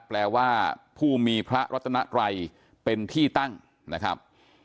แปลว่าผู้มีพระรัตนไกรเป็นที่ตั้งนะครับ